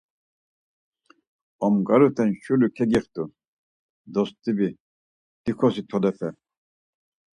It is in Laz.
Omgaruten şuri kyegixtu, dostibi, dikosi tolepe!